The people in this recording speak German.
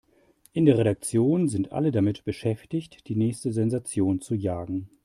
In der Redaktion sind alle damit beschäftigt, die nächste Sensation zu jagen.